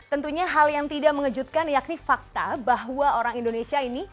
tentunya hal yang tidak mengejutkan yakni fakta bahwa orang indonesia ini